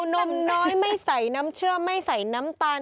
นมน้อยไม่ใส่น้ำเชื่อไม่ใส่น้ำตาล